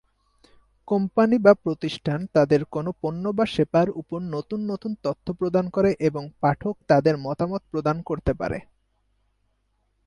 কোম্পানি/প্রতিষ্ঠান তাদের কোন পণ্য বা সেবার উপর নতুন নতুন তথ্য প্রদান করে এবং পাঠক তাদের মতামত প্রদান করতে পারে।